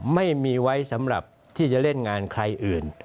ไม่มีไว้สำหรับที่จะเล่นงานใครอื่น